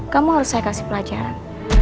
kamu harus saya kasih pelajaran